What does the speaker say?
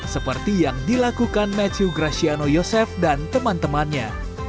seperti yang dilakukan matchio graciano yosef dan teman temannya